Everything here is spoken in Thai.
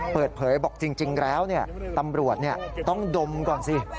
เปิดเผยบอกจริงแล้วตำรวจต้องดมก่อนสิ